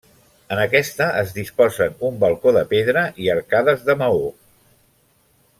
En aquesta es disposen un balcó de pedra i arcades de maó.